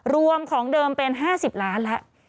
รวมของเดิมเป็น๕๐ล้านแล้ว